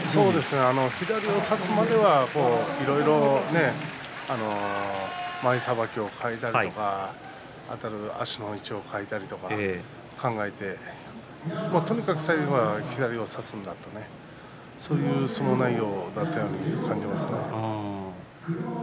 左を差すまではいろいろ前さばきを変えたりとか足の位置を変えたりとか考えて、とにかく最後は左を差すんだという、そういう相撲内容だったように感じます。